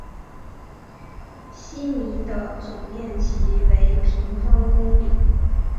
希尼的总面积为平方公里。